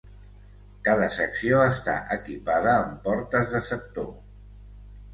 Cada secció està equipada amb portes de sector.